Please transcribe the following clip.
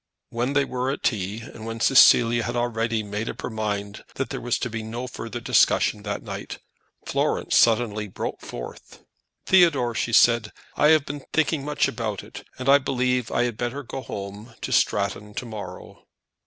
When they were at tea, and when Cecilia had already made up her mind that there was to be no further discussion that night, Florence suddenly broke forth. "Theodore," she said, "I have been thinking much about it, and I believe I had better go home, to Stratton, to morrow."